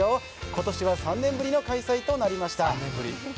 今年は３年ぶりの開催となりました